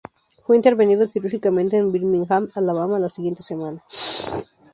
Fue intervenido quirúrgicamente en Birmingham, Alabama, la siguiente semana.